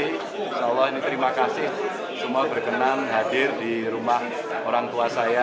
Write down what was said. insya allah ini terima kasih semua berkenan hadir di rumah orang tua saya